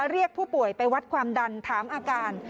เรียกผู้ป่วยไปวัดความดันถามอาการ